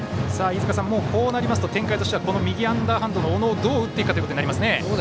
飯塚さん、もう、こうなりますと展開としては右アンダーハンドの小野をどう打っていくかということになりますね。